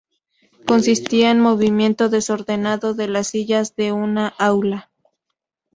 Consistía en movimiento desordenado de las sillas de una aula.